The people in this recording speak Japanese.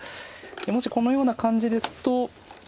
もしこのような感じですと。